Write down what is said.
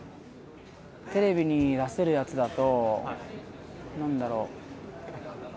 テレビに出せるやつだとなんだろう